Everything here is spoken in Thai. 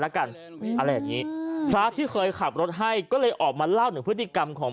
แล้วกันอะไรอย่างนี้พระที่เคยขับรถให้ก็เลยออกมาเล่าถึงพฤติกรรมของ